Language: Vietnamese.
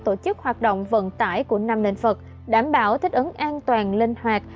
tổ chức hoạt động vận tải của năm lĩnh vực đảm bảo thích ứng an toàn linh hoạt